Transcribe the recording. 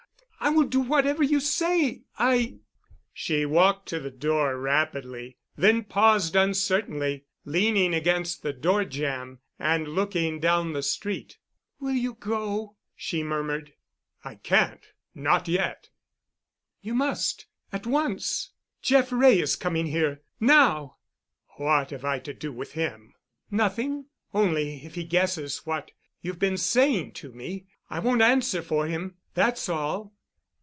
I will do whatever you say—I——" She walked to the door rapidly, then paused uncertainly, leaning against the door jamb and looking down the street. "Will you go?" she murmured. "I can't—not yet." "You must—at once. Jeff Wray is coming here—now!" "What have I to do with him?" "Nothing—only if he guesses what you've been saying to me, I won't answer for him. That's all."